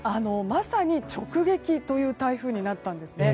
まさに直撃という台風になったんです。